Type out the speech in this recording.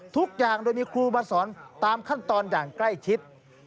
ทุกอย่างโดยมีครูมาสอนตามขั้นตอนอย่างใกล้ชิด